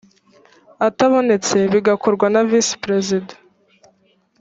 atabonetse bigakorwa na visi perezida